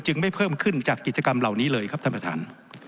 ไม่เพิ่มขึ้นจากกิจกรรมเหล่านี้เลยครับท่านประธาน